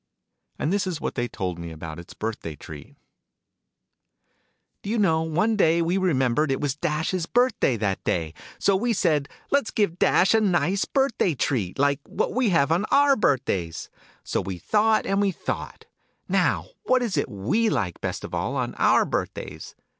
And this is what they told me about its birthday treat. "Ho you know, one day we remembered it was Dash s birthday that day. So we said ' Let's give Dash a nice birthday treat, like what we have on our birthdays ! So we thought and we thought 'Now, what is it tve like best of all, on our birthdays